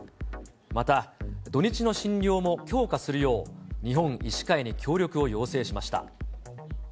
また、土日の診療も強化するよう、日本医師会に協力を要請しました。